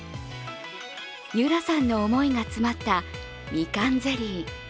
結桜さんの思いが詰まった、みかんゼリー。